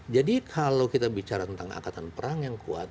jadi kalau kita bicara tentang angkatan perang yang kuat